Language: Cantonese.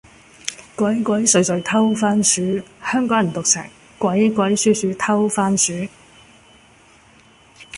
鬼鬼祟祟偷番薯，香港人讀成，鬼鬼鼠鼠偷番薯